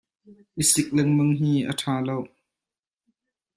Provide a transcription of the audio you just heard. I sik lengmang hi a ṭha lo.